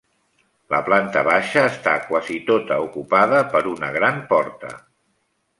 La planta baixa està quasi tota ocupada per una gran porta.